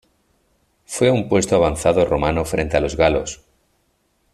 Fue un puesto avanzado romano frente a los galos.